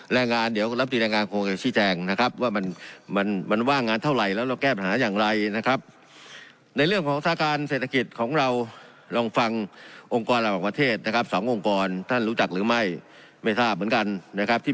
แรงงานเดี๋ยวรับจริงแรงงานโครงแรกชี่แจงนะครับ